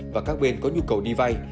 và các bên có nhu cầu đi vai